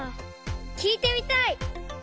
きいてみたい！